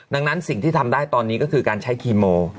ดังนั้นสิ่งที่ทำได้ตอนนี้ก็คือการใช้คีโม